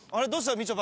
みちょぱ。